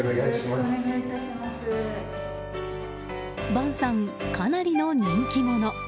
ヴァンさん、かなりの人気者。